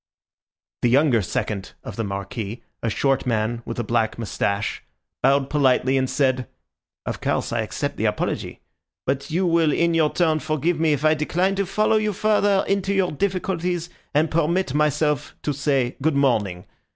The younger second of the Marquis, a short man with a black moustache, bowed politely, and said— "Of course, I accept the apology; but you will in your turn forgive me if I decline to follow you further into your difficulties, and permit myself to say good morning!